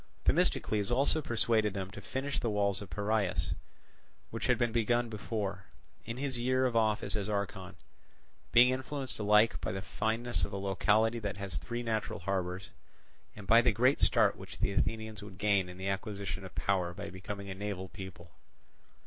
Themistocles also persuaded them to finish the walls of Piraeus, which had been begun before, in his year of office as archon; being influenced alike by the fineness of a locality that has three natural harbours, and by the great start which the Athenians would gain in the acquisition of power by becoming a naval people.